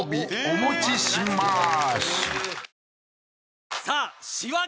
お持ちしまーす